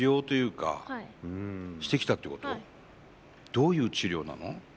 どういう治療なの？